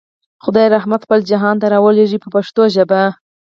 خدای رحمت خپل جهان ته راولېږه په پښتو ژبه.